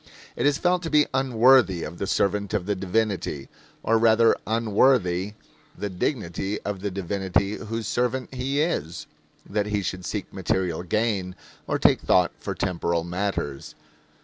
It is felt to be unworthy of the servant of the divinity, or rather unworthy the dignity of the divinity whose servant he is, that he should seek material gain or take thought for temporal matters.